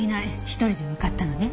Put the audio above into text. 一人で向かったのね。